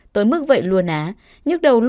tôi mức vậy luôn á